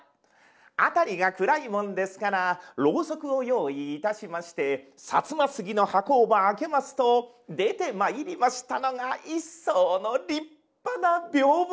辺りが暗いもんですからろうそくを用意いたしまして薩摩杉の箱をば開けますと出てまいりましたのが一双の立派な屏風。